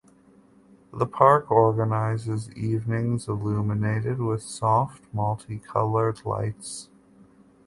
The park organizes evenings illuminated with soft multicolored lights.